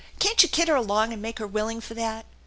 Can't you kid her along and make her willing for that?"